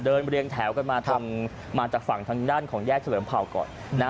เดินเรียงแถวกันมาจากฝั่งทางด้านของแยกเฉลิมเผาก่อน